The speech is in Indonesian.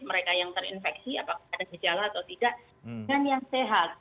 mereka yang terinfeksi apakah ada gejala atau tidak dengan yang sehat